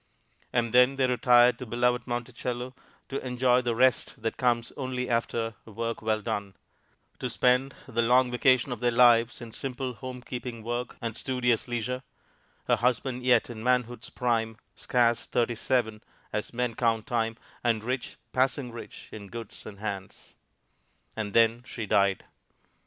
And then they retired to beloved Monticello to enjoy the rest that comes only after work well done to spend the long vacation of their lives in simple homekeeping work and studious leisure, her husband yet in manhood's prime, scarce thirty seven, as men count time, and rich, passing rich, in goods and lands. And then she died.